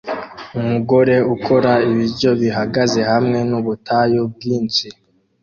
Umugore ukora ibiryo bihagaze hamwe nubutayu bwinshi